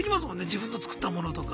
自分の造ったものとか。